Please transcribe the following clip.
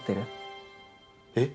えっ？